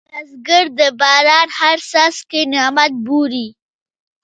بزګر د باران هر څاڅکی نعمت بولي